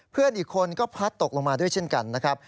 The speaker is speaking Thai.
เพื่อนอีกคนก็พลัดตกลงมาด้วยเช่นกันนะครับ